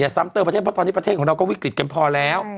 ซ้ำเติมประเทศเพราะตอนนี้ประเทศของเราก็วิกฤตกันพอแล้ว